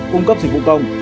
cung cấp dịch vụ công